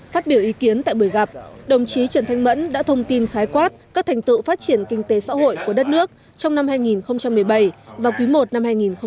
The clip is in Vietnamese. phát biểu ý kiến tại buổi gặp đồng chí trần thanh mẫn đã thông tin khái quát các thành tựu phát triển kinh tế xã hội của đất nước trong năm hai nghìn một mươi bảy và quý i năm hai nghìn một mươi chín